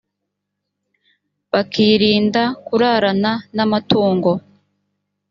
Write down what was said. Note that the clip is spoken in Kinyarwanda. bakirinda kurarana n amatungo